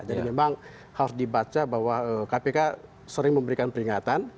jadi memang harus dibaca bahwa kpk sering memberikan peringatan